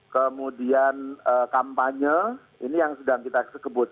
kemudian kampanye ini yang sedang kita sebut